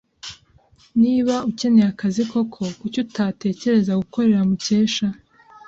Niba ukeneye akazi koko, kuki utatekereza gukorera Mukesha?